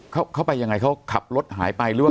เขาเข้าไปยังไงเขาขับรถหายไปหรือว่า